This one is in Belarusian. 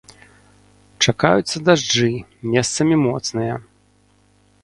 Чакаюцца дажджы, месцамі моцныя.